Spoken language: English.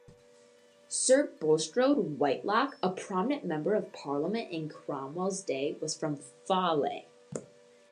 Sir Bulstrode Whitelocke, a prominent Member of Parliament in Cromwell's day, was from Fawley.